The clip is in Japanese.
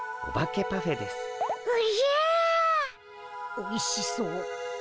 おいしそう。